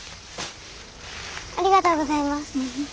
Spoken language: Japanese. ありがとうございます。